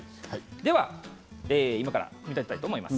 では今から組み立てたいと思います。